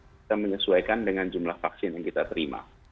kita menyesuaikan dengan jumlah vaksin yang kita terima